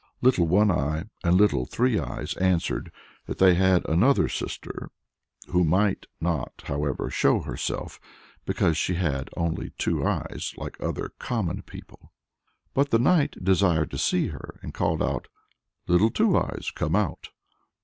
Little One Eye and Little Three Eyes answered that they had another sister, who might not, however, show herself, because she had only two eyes, like other common people. But the knight desired to see her, and called out, "Little Two Eyes, come out."